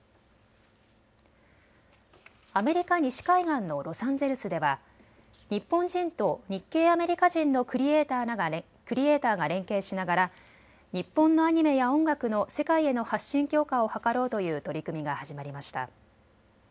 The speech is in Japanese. アメリカ西海岸のロサンゼルスでは日本人と日系アメリカ人のクリエーターが連携しながら日本のアニメや音楽の世界への発信強化を図ろうという取り組みが始まりました。